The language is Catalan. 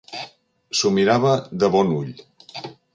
S'ho mirava de bon ull.